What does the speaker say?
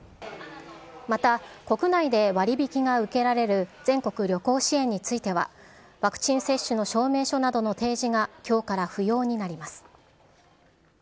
また、国内で割り引きが受けられる全国旅行支援については、ワクチン接種の証明書などの提示がきょうから不要になります。